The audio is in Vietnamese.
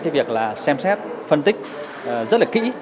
việc xem xét phân tích rất là kỹ